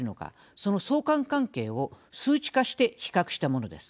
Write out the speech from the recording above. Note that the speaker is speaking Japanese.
その相関関係を数値化して比較したものです。